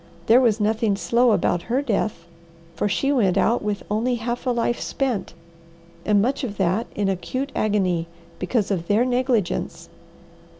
There was nothing slow about her death, for she went out with only half a life spent, and much of that in acute agony, because of their negligence.